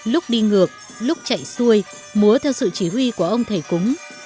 lúc đi ngược lúc chạy xuôi múa theo sự chỉ huy của ông thầy cúng